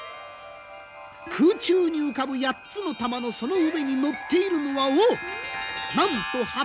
空中に浮かぶ八つの珠のその上に乗っているのはおおなんと８匹の犬。